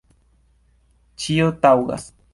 Ĉio taŭgas.